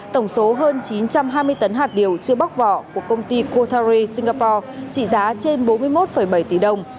tổng số hơn chín trăm hai mươi tấn hạt điều chưa bóc vỏ của công ty cothari singapore trị giá trên bốn mươi một bảy tỷ đồng